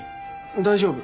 大丈夫。